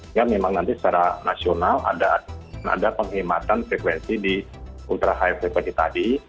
karena memang nanti secara nasional ada penghematan frekuensi di ultra high frequency tadi